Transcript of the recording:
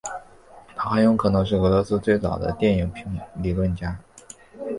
他很可能是俄罗斯最早的电影理论家。